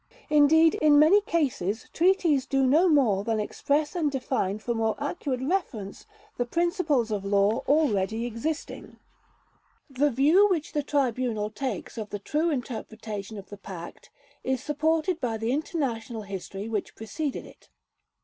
Indeed, in many cases treaties do no more than express and define for more accurate reference the principles of law already existing. The view which the Tribunal takes of the true interpretation of the Pact is supported by the international history which preceded it.